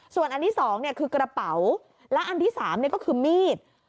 ส่วนอันที่๒คือกระเป๋าและอันที่๓ก็คือมีด